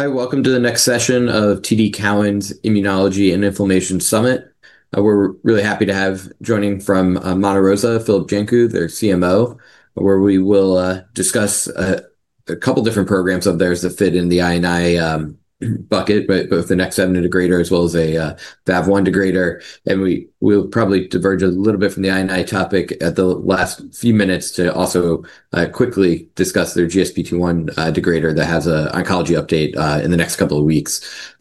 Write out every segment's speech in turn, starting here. Hi, welcome to the next session of TD Cowen's Immunology and Inflammation Summit. We're really happy to have joining from Monte Rosa, Filip Janku, their CMO, where we will discuss a couple of different programs of theirs that fit in the I&I bucket, both the NEK7 degrader as well as a VAV1 degrader. We'll probably diverge a little bit from the INI topic at the last few minutes to also quickly discuss their GSPT1 degrader that has an oncology update in the next couple of weeks,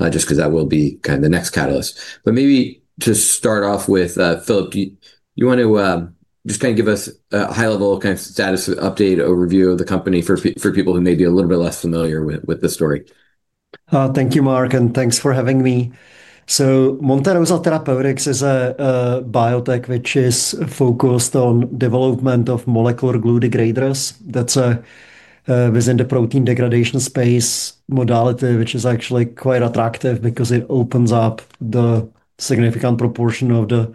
just because that will be kind of the next catalyst. Maybe to start off with, Filip, do you want to just kind of give us a high-level kind of status update overview of the company for people who may be a little bit less familiar with the story? Thank you, Mark, and thanks for having me. Monte Rosa Therapeutics is a biotech which is focused on the development of molecular glue degraders. That is within the protein degradation space modality, which is actually quite attractive because it opens up a significant proportion of the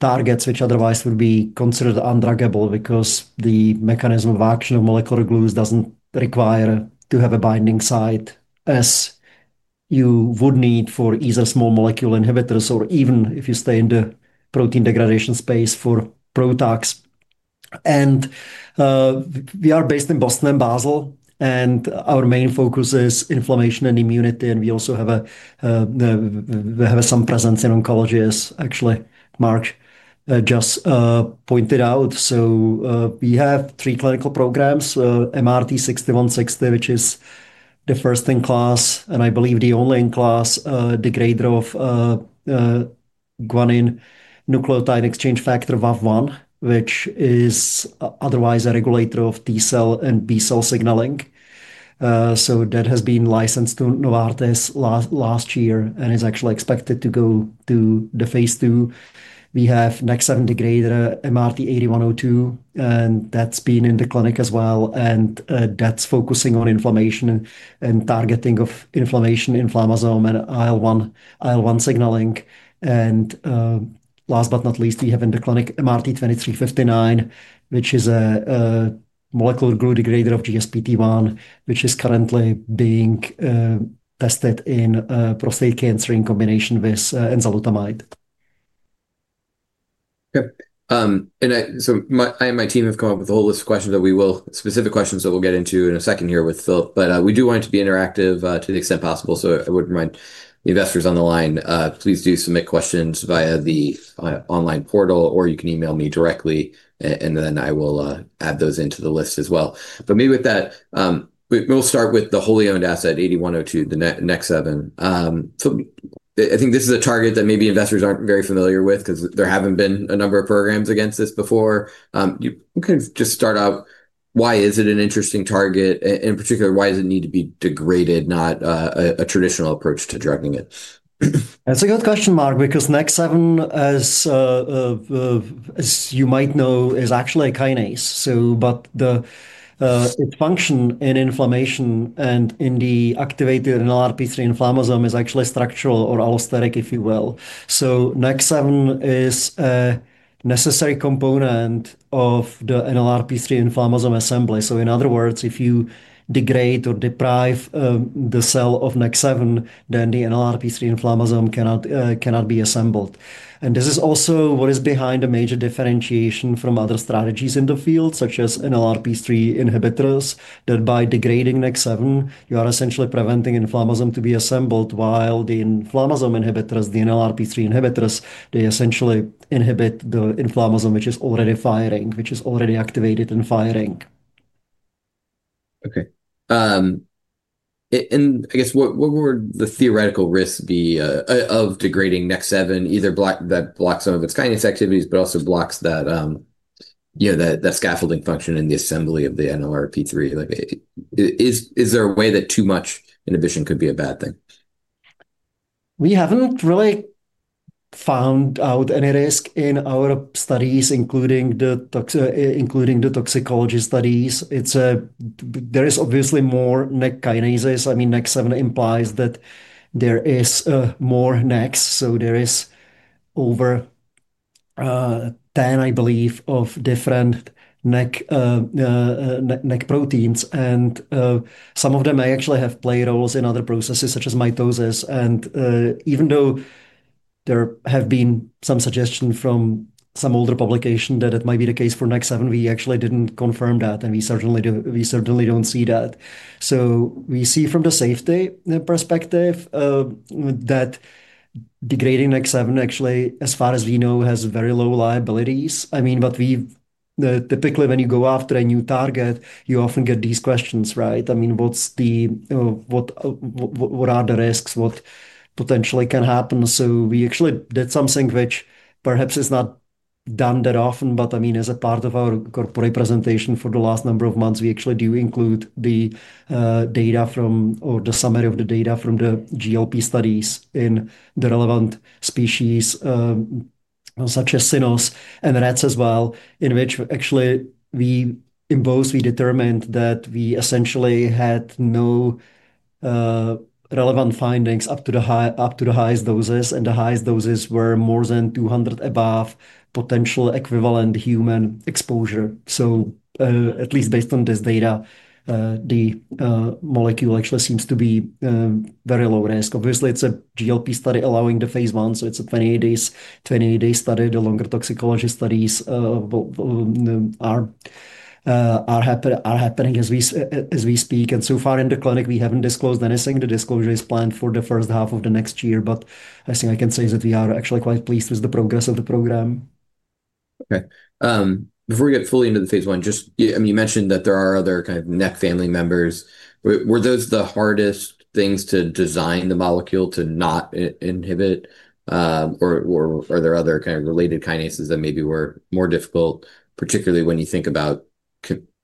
targets which otherwise would be considered undruggable because the mechanism of action of molecular glues does not require to have a binding site as you would need for either small molecule inhibitors or even if you stay in the protein degradation space, for PROTACs. We are based in Boston and Basel, and our main focus is inflammation and immunity. We also have some presence in oncology, as actually Mark just pointed out. We have three clinical programs, MRT-6160, which is the first in class and I believe the only-in-class degrader of guanine nucleotide exchange factor VAV1, which is otherwise a regulator of T-cell and B-cell signaling. That has been licensed to Novartis last year and is actually expected to go to Phase II. We have NEK7 degrader, MRT-8102, and that's been in the clinic as well. That's focusing on inflammation and targeting of inflammation, inflammasome, and IL-1 signaling. Last but not least, we have in the clinic MRT-2359, which is a molecular glue degrader of GSPT-1, which is currently being tested in prostate cancer in combination with enzalutamide. Okay. I and my team have come up with a whole list of specific questions that we'll get into in a second here with Filip. We do want it to be interactive to the extent possible. I would remind the investors on the line, please do submit questions via the online portal, or you can email me directly, and I will add those into the list as well. Maybe with that, we'll start with the wholly-owned asset, MRT-8102, the NEK7. I think this is a target that maybe investors aren't very familiar with because there haven't been a number of programs against this before. You can just start out, why is it an interesting target? In particular, why does it need to be degraded, not a traditional approach to drugging it? That's a good question, Mark, because NEK7, as you might know, is actually a kinase. Its function in inflammation and in the activated NLRP3 inflammasome is actually structural or allosteric, if you will. NEK7 is a necessary component of the NLRP3 inflammasome assembly. In other words, if you degrade or deprive the cell of NEK7, then the NLRP3 inflammasome cannot be assembled. This is also what is behind the major differentiation from other strategies in the field, such as NLRP3 inhibitors, that by degrading NEK7, you are essentially preventing inflammasome to be assembled while the inflammasome inhibitors, the NLRP3 inhibitors, they essentially inhibit the inflammasome which is already firing, which is already activated and firing. Okay. I guess what would the theoretical risk be of degrading NEK7, either that blocks some of its kinase activities, but also blocks that scaffolding function in the assembly of the NLRP3? Is there a way that too much inhibition could be a bad thing? We haven't really found out any risk in our studies, including the toxicology studies. There is obviously more NEK kinases. I mean, NEK7 implies that there is more NEKs. So there is over 10, I believe, of different NEK proteins. And some of them may actually play roles in other processes, such as mitosis. Even though there have been some suggestions from some older publication that it might be the case for NEK7, we actually didn't confirm that. We certainly don't see that. We see from the safety perspective that degrading NEK7, actually, as far as we know, has very low liabilities. I mean, but typically when you go after a new target, you often get these questions, right? I mean, what are the risks? What potentially can happen? We actually did something which perhaps is not done that often, but I mean, as a part of our corporate presentation for the last number of months, we actually do include the data from or the summary of the data from the GLP studies in the relevant species, such as Cinos and rats as well, in which actually we in both, we determined that we essentially had no relevant findings up to the highest doses. The highest doses were more than 200 above potential equivalent human exposure. At least based on this data, the molecule actually seems to be very low-risk. Obviously, it's a GLP study allowing the Phase I. It's a 28-day study. The longer toxicology studies are happening as we speak. So far in the clinic, we haven't disclosed anything. The disclosure is planned for the first half of the next year. I think I can say that we are actually quite pleased with the progress of the program. Okay. Before we get fully into the Phase I, just, I mean, you mentioned that there are other kind of NEK family members. Were those the hardest things to design the molecule to not inhibit? Or are there other kind of related kinases that maybe were more difficult, particularly when you think about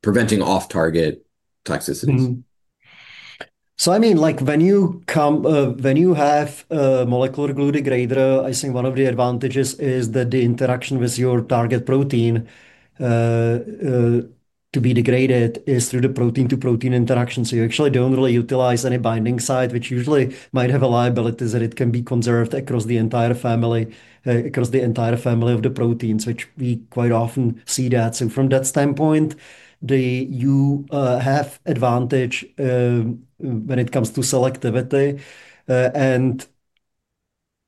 preventing off-target toxicities? I mean, like when you have a molecular glue degrader, I think one of the advantages is that the interaction with your target protein to be degraded is through the protein-to-protein interaction. You actually do not really utilize any binding site, which usually might have a liability that it can be conserved across the entire family, across the entire family of the proteins, which we quite often see. From that standpoint, you have advantage when it comes to selectivity.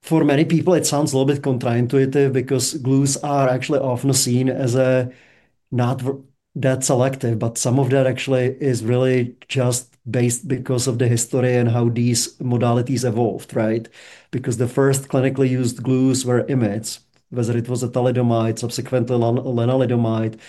For many people, it sounds a little bit contraintuitive because glues are actually often seen as not that selective. Some of that actually is really just based because of the history and how these modalities evolved, right? The first clinically used glues were IMiDs, whether it was thalidomide, subsequently lenalidomide.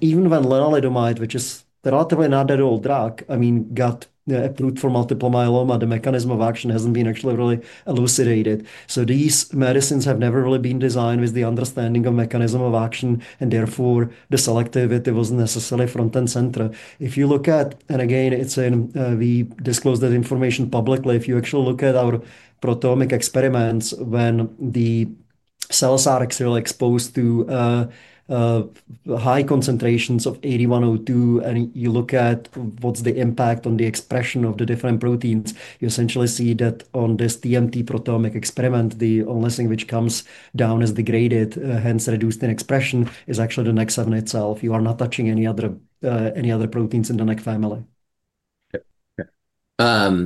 Even when lenalidomide, which is relatively not at all drug, I mean, got approved for multiple myeloma, the mechanism of action hasn't been actually really elucidated. These medicines have never really been designed with the understanding of mechanism of action. Therefore, the selectivity wasn't necessarily front-and-center. If you look at, and again, we disclose that information publicly, if you actually look at our proteomic experiments, when the cells are actually exposed to high concentrations of 8102, and you look at what's the impact on the expression of the different proteins, you essentially see that on this TMT proteomic experiment, the only thing which comes down as degraded, hence reduced in expression, is actually the NEK7 itself. You are not touching any other proteins in the NEK family. Okay.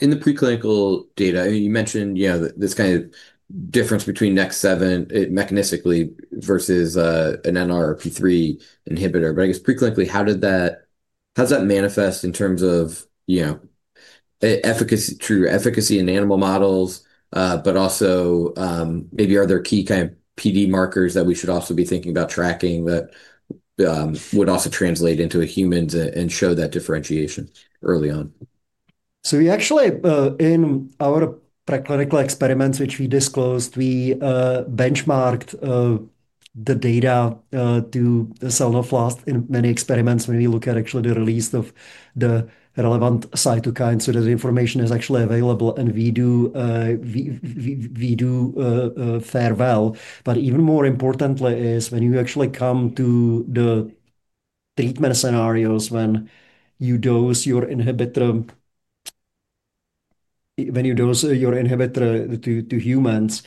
In the preclinical data, you mentioned this kind of difference between NEK7 mechanistically versus an NLRP3 inhibitor. I guess preclinically, how does that manifest in terms of true efficacy in animal models, but also maybe are there key kind of PD markers that we should also be thinking about tracking that would also translate into a human and show that differentiation early on? We actually, in our preclinical experiments, which we disclosed, benchmarked the data to selnoflast in many experiments when we look at actually the release of the relevant cytokines so that the information is actually available. We do fare well. Even more importantly is when you actually come to the treatment scenarios when you dose your inhibitor to humans.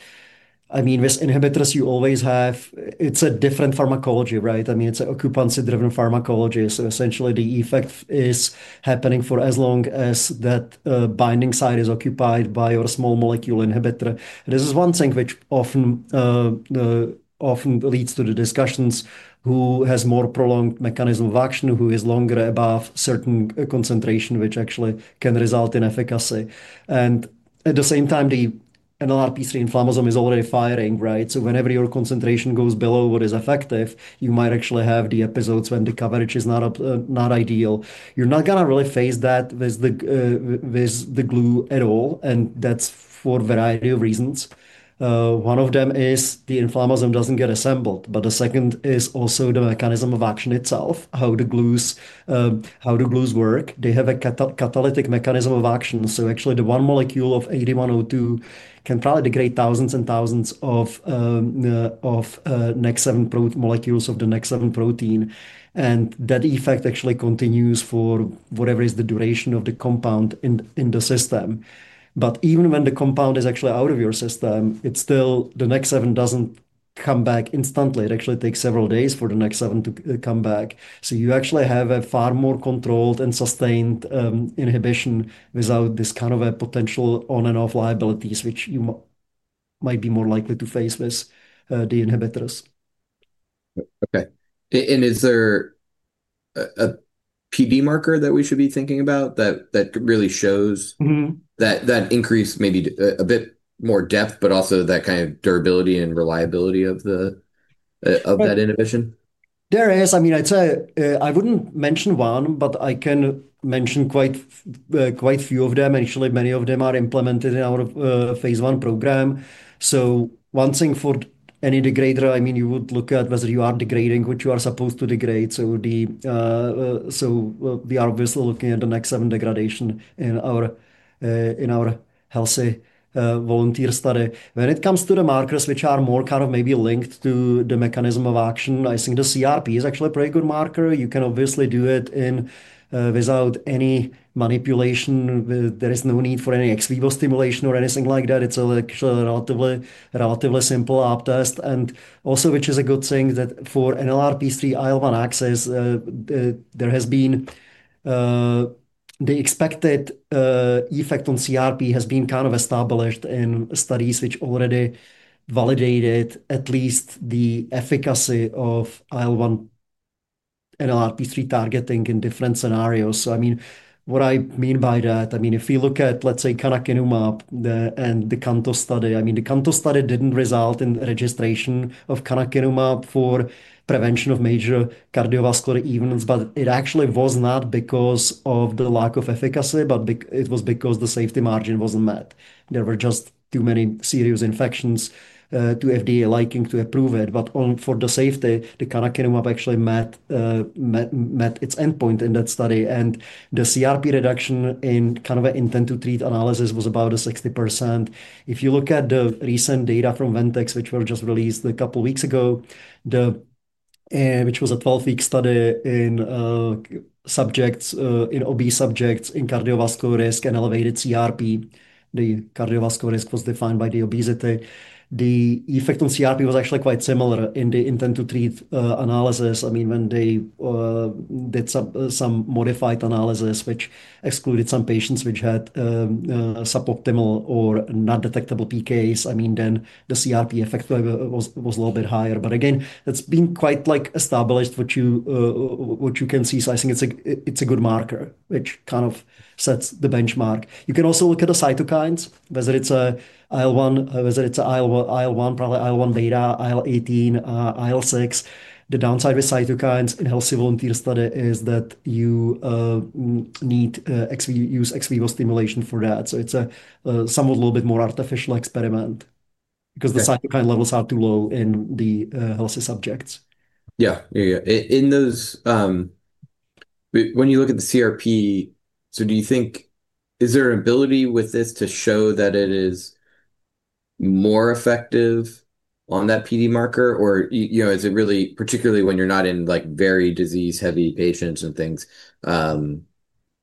I mean, with inhibitors, you always have it's a different pharmacology, right? I mean, it's an occupancy-driven pharmacology. Essentially, the effect is happening for as long as that binding site is occupied by your small molecule inhibitor. This is one thing which often leads to the discussions: who has more prolonged mechanism of action, who is longer above certain concentration, which actually can result in efficacy. At the same time, the NLRP3 inflammasome is already firing, right? Whenever your concentration goes below what is effective, you might actually have the episodes when the coverage is not ideal. You're not going to really face that with the glue at all. That is for a variety of reasons. One of them is the inflammasome doesn't get assembled. The second is also the mechanism of action itself, how the glues work. They have a catalytic mechanism of action. Actually, the one molecule of 8102 can probably degrade thousands and thousands of NEK7 molecules of the NEK7 protein. That effect actually continues for whatever is the duration of the compound in the system. Even when the compound is actually out of your system, still the NEK7 doesn't come back instantly. It actually takes several days for the NEK7 to come back. You actually have a far more controlled and sustained inhibition without this kind of potential on-and-off liabilities, which you might be more likely to face with the inhibitors. Okay. Is there a PD marker that we should be thinking about that really shows that increase, maybe a bit more depth, but also that kind of durability and reliability of that inhibition? There is. I mean, I wouldn't mention one, but I can mention quite a few of them. Actually, many of them are implemented in our Phase I program. One thing for any degrader, I mean, you would look at whether you are degrading what you are supposed to degrade. We are obviously looking at the NEK7 degradation in our healthy volunteer study. When it comes to the markers which are more kind of maybe linked to the mechanism of action, I think the CRP is actually a pretty good marker. You can obviously do it without any manipulation. There is no need for any ex vivo stimulation or anything like that. It's actually a relatively simple lab test. Also, which is a good thing, that for NLRP3 IL-1 axis, there has been the expected effect on CRP has been kind of established in studies which already validated at least the efficacy of IL-1 NLRP3 targeting in different scenarios. I mean, what I mean by that, I mean, if you look at, let's say, canakinumab and the CANTOS study, the Cantos study did not result in registration of canakinumab for prevention of major cardiovascular events, but it actually was not because of the lack of efficacy, it was because the safety margin was not met. There were just too many serious infections to FDA liking to approve it. For the safety, the canakinumab actually met its endpoint in that study. The CRP reduction in kind of an intent-to-treat analysis was about 60%. If you look at the recent data from Ventyx, which was just released a couple of weeks ago, which was a 12-week study in obese subjects in cardiovascular risk and elevated CRP, the cardiovascular risk was defined by the obesity. The effect on CRP was actually quite similar in the intent-to-treat analysis. I mean, when they did some modified analysis, which excluded some patients which had suboptimal or not detectable PKs, I mean, then the CRP effect was a little bit higher. Again, it's been quite established what you can see. I think it's a good marker, which kind of sets the benchmark. You can also look at the cytokines, whether it's an IL-1, whether it's an IL-1, probably IL-1 beta, IL-18, IL-6. The downside with cytokines in healthy volunteer study is that you need to use ex vivo stimulation for that. It's somewhat a little bit more artificial experiment because the cytokine levels are too low in the healthy subjects. Yeah. Yeah. Yeah. When you look at the CRP, do you think is there an ability with this to show that it is more effective on that PD marker? Or is it really, particularly when you're not in very disease-heavy patients and things,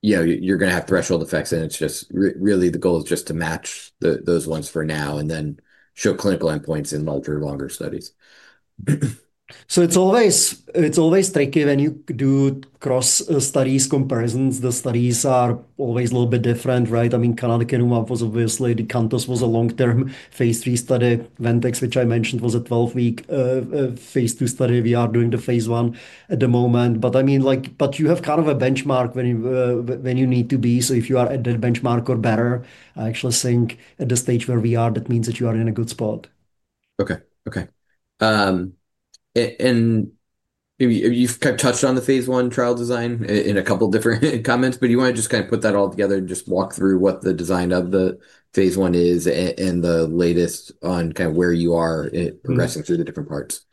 you're going to have threshold effects? It's just really the goal is just to match those ones for now and then show clinical endpoints in larger and longer studies. It's always tricky when you do cross-study comparisons. The studies are always a little bit different, right? I mean, canakinumab was obviously the CANTOS was a long-term Phase III study. Ventyx, which I mentioned, was a 12-week Phase II study. We are doing the Phase I at the moment. I mean, you have kind of a benchmark when you need to be. If you are at that benchmark or better, I actually think at the stage where we are, that means that you are in a good spot. Okay. Okay. You have kind of touched on the Phase I trial design in a couple of different comments, but do you want to just kind of put that all together and just walk through what the design of the Phase I is and the latest on kind of where you are progressing through the different parts?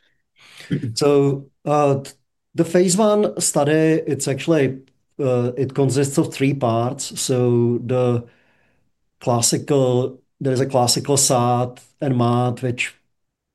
The Phase I study, it consists of three parts. There is a classical SAD and MAD, which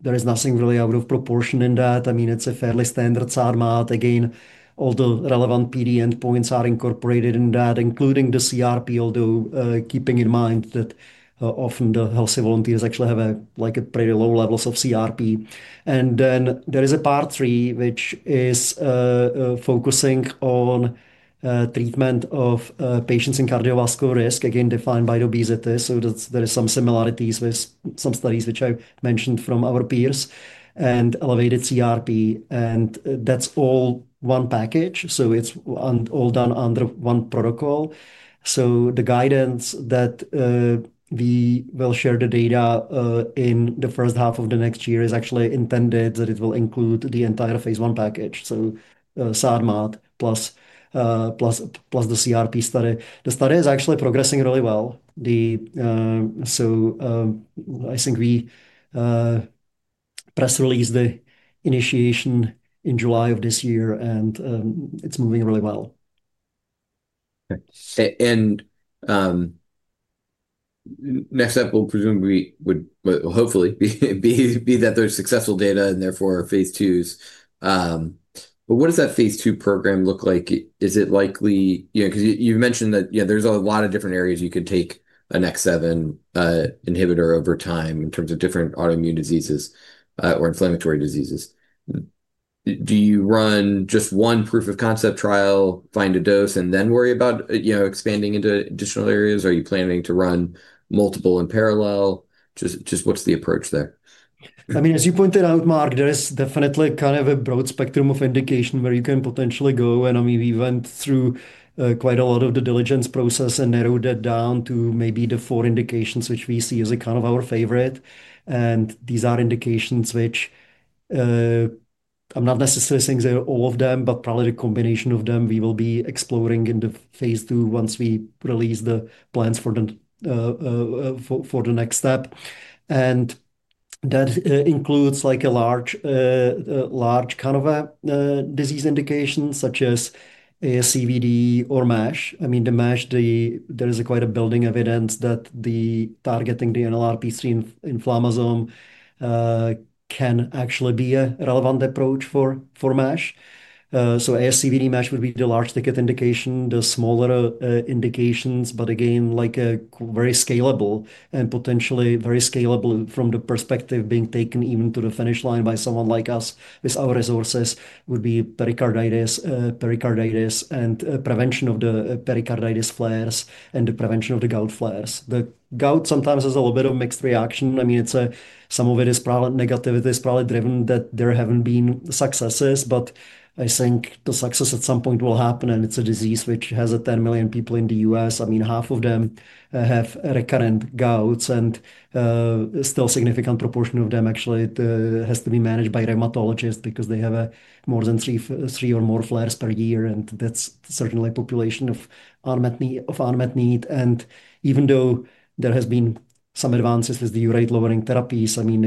there is nothing really out of proportion in that. I mean, it's a fairly standard SAD/MAD. Again, all the relevant PD endpoints are incorporated in that, including the CRP, although keeping in mind that often the healthy volunteers actually have pretty low levels of CRP. Then there is a Part 3, which is focusing on treatment of patients in cardiovascular risk, again, defined by the obesity. There are some similarities with some studies which I mentioned from our peers and elevated CRP. That's all one package. It's all done under one protocol. The guidance that we will share the data in the first half of next year is actually intended that it will include the entire Phase I package, so SAD, MAD, plus the CRP study. The study is actually progressing really well. I think we press released the initiation in July of this year, and it is moving really well. Okay. Next up, we'll presume we would hopefully be that there's successful data and therefore Phase II. What does that Phase II program look like? Is it likely because you mentioned that there's a lot of different areas you could take a NEK7 inhibitor over time in terms of different autoimmune diseases or inflammatory diseases. Do you run just one proof-of-concept trial, find a dose, and then worry about expanding into additional areas? Are you planning to run multiple in parallel? Just what's the approach there? I mean, as you pointed out, Mark, there is definitely kind of a broad spectrum of indication where you can potentially go. I mean, we went through quite a lot of the diligence process and narrowed it down to maybe the four indications, which we see as kind of our favorite. These are indications which I'm not necessarily saying they're all of them, but probably the combination of them we will be exploring in the Phase II once we release the plans for the next step. That includes a large kind of disease indication such as ASCVD or MASH. I mean, the MASH, there is quite a building evidence that targeting the NLRP3 inflammasome can actually be a relevant approach for MASH. ASCVD MASH would be the large-ticket indication. The smaller indications, but again, very scalable and potentially very scalable from the perspective being taken even to the finish line by someone like us with our resources, would be pericarditis and prevention of the pericarditis flares and the prevention of the gout flares. The gout sometimes has a little bit of mixed reaction. I mean, some of it is probably negativity is probably driven that there have not been successes, but I think the success at some point will happen. It is a disease which has 10 million people in the U.S. I mean, half of them have recurrent gouts. Still, a significant proportion of them actually has to be managed by rheumatologists because they have three or more flares per year. That is certainly a population of unmet need. Even though there has been some advances with the urate-lowering therapies, I mean,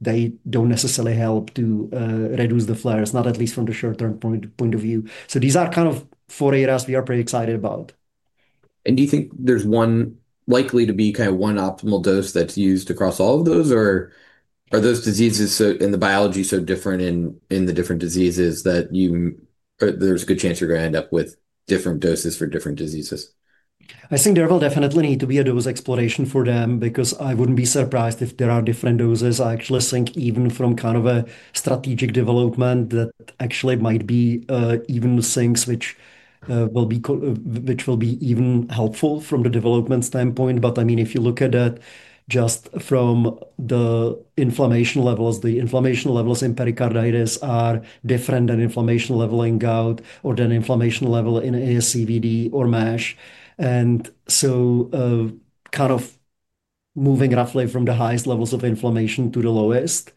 they do not necessarily help to reduce the flares, not at least from the short-term point of view. These are kind of four areas we are pretty excited about. Do you think there's one likely to be kind of one optimal dose that's used across all of those? Or are those diseases in the biology so different in the different diseases that there's a good chance you're going to end up with different doses for different diseases? I think there will definitely need to be a dose exploration for them because I wouldn't be surprised if there are different doses. I actually think even from kind of a strategic development that actually might be even things which will be even helpful from the development standpoint. I mean, if you look at it just from the inflammation levels, the inflammation levels in pericarditis are different than inflammation level in gout or than inflammation level in ASCVD or MASH. Kind of moving roughly from the highest levels of inflammation to the lowest.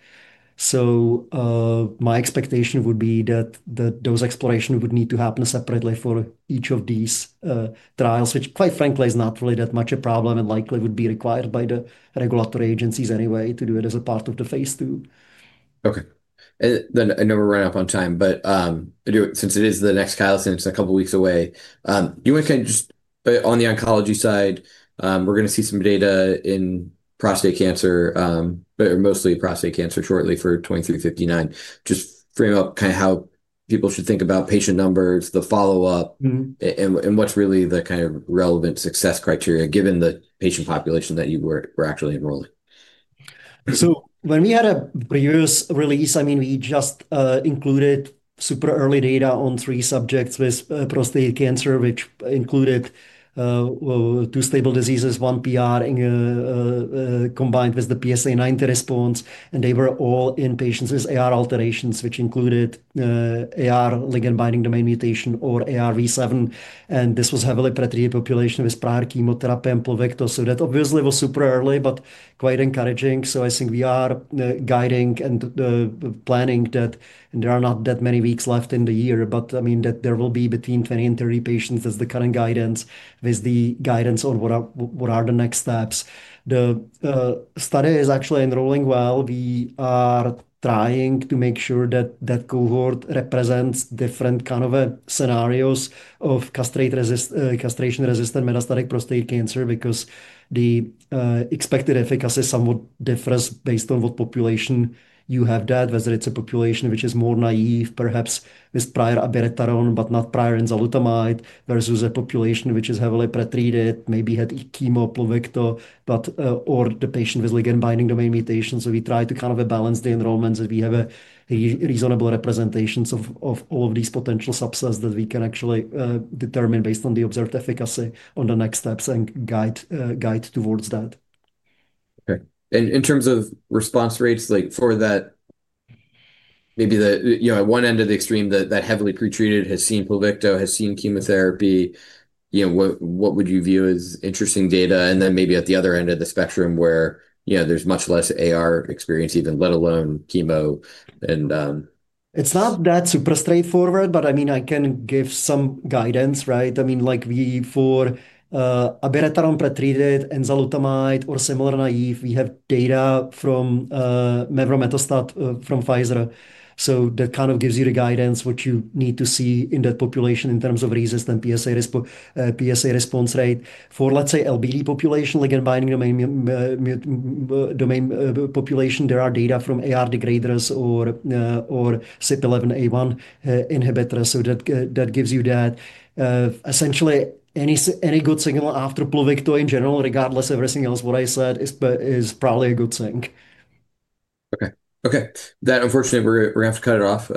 My expectation would be that those explorations would need to happen separately for each of these trials, which quite frankly is not really that much a problem and likely would be required by the regulatory agencies anyway to do it as a part of the Phase II. Okay. I know we're running up on time, but since it is the next callus and it's a couple of weeks away, do you want to kind of just on the oncology side, we're going to see some data in prostate cancer, but mostly prostate cancer shortly for 2359. Just frame up kind of how people should think about patient numbers, the follow-up, and what's really the kind of relevant success criteria given the patient population that you were actually enrolling. When we had a previous release, I mean, we just included super-early data on three subjects with prostate cancer, which included two stable diseases, one PR combined with the PSA9 response. They were all in patients with AR alterations, which included AR ligand-binding domain mutation or AR-V7. This was a heavily pretreated population with prior chemotherapy and Pluvicto. That obviously was super-early, but quite encouraging. I think we are guiding and planning that there are not that many weeks left in the year, but I mean, that there will be between 20 and 30 patients as the current guidance with the guidance on what are the next steps. The study is actually enrolling well. We are trying to make sure that that cohort represents different kind of scenarios of castration-resistant metastatic prostate cancer because the expected efficacy somewhat differs based on what population you have, whether it's a population which is more naive, perhaps with prior abiraterone but not prior enzalutamide, versus a population which is heavily pretreated, maybe had chemo, Pluvicto, or the patient with ligand-binding domain mutation. We try to kind of balance the enrollments so that we have a reasonable representation of all of these potential subsets that we can actually determine based on the observed efficacy on the next steps and guide towards that. Okay. In terms of response rates, for that, maybe at one end of the extreme, that heavily pretreated has seen Pluvicto, has seen chemotherapy, what would you view as interesting data? Maybe at the other end of the spectrum where there is much less AR experience, even let alone chemo. It's not that super straightforward, but I mean, I can give some guidance, right? I mean, for abiraterone pretreated, enzalutamide, or similar naive, we have data from Mever-Metastat from Pfizer. So that kind of gives you the guidance, what you need to see in that population in terms of resistant PSA response rate. For, let's say, LBD population, Ligand-Binding Domain population, there are data from AR degraders or CYP11A1 inhibitors. So that gives you that. Essentially, any good signal after Pluvicto in general, regardless of everything else what I said, is probably a good thing. Okay. Okay. That, unfortunately, we're going to have to cut it off.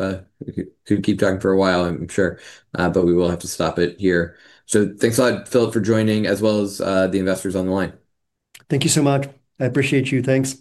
We could keep talking for a while, I'm sure, but we will have to stop it here. Thanks a lot, Filip, for joining, as well as the investors on the line. Thank you so much. I appreciate you. Thanks.